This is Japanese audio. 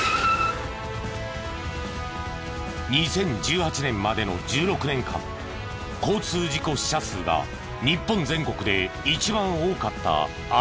２０１８年までの１６年間交通事故死者数が日本全国で一番多かった愛知県。